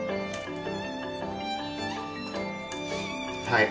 はい。